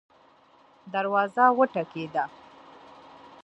دروازه وټکیده